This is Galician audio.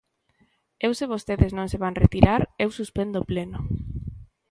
Eu se vostedes non se van retirar, eu suspendo o pleno.